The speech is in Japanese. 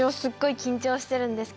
緊張してますね。